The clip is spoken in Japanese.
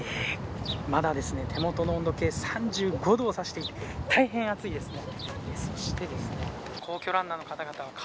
まだ手元の温度計３５度を指して大変暑いですね。